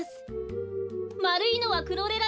まるいのはクロレラですね。